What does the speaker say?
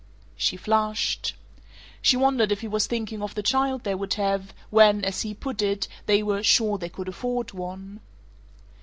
She flushed. She wondered if he was thinking of the child they would have when, as he put it, they were "sure they could afford one."